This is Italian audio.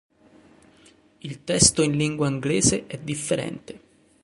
Il testo in lingua inglese è differente.